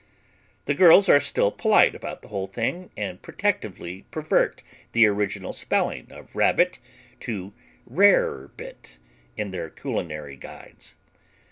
The girls are still polite about the whole thing and protectively pervert the original spelling of "Rabbit" to "Rarebit" in their culinary guides.